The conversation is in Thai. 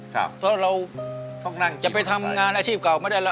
เพราะเราต้องนั่งจะไปทำงานอาชีพเก่าไม่ได้แล้ว